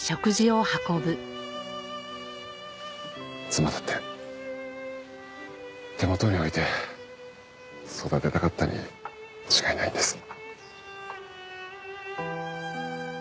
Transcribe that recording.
妻だって手元に置いて育てたかったに違いないんです。